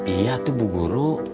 iya tuh bu guru